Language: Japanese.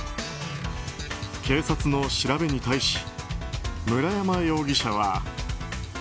警察の調べに対し村山容疑者は。